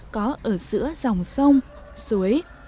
có ở giữa dòng sông suối